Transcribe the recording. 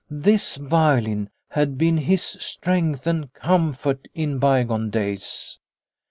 This violin had been his strength and comfort in bygone days.